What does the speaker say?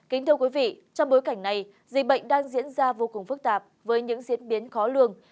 kính thưa quý vị trong bối cảnh này dịch bệnh đang diễn ra vô cùng phức tạp với những diễn biến khó lường